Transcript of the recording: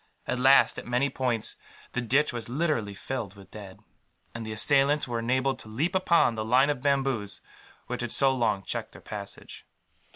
At last, at many points, the ditch was literally filled with dead; and the assailants were enabled to leap upon the line of bamboos which had so long checked their passage.